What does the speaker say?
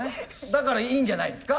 だからいいんじゃないですか？